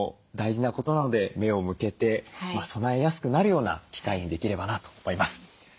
大事なことなので目を向けて備えやすくなるような機会にできればなと思います。